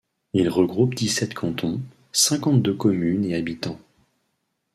Il regroupe dix-sept cantons, cinquante-deux communes et habitants.